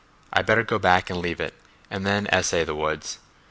I'd better go back and leave it and then essay the woods.